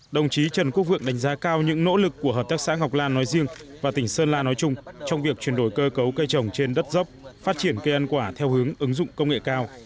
đồng chí trần quốc vượng đánh giá cao những nỗ lực của hợp tác xã ngọc lan nói riêng và tỉnh sơn la nói chung trong việc chuyển đổi cơ cấu cây trồng trên đất dốc phát triển cây ăn quả theo hướng ứng dụng công nghệ cao